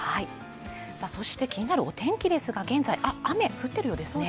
そして気になるお天気ですが、現在雨、降っているようですね。